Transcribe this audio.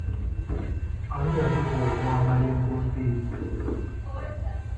Ani yasooka okwambala enkoofiira?